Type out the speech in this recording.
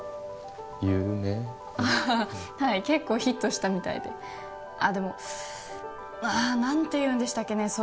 有名なはい結構ヒットしたみたいであっでも何て言うんでしたっけね